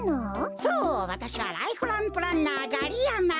そうわたしはライフランプランナーガリヤマ。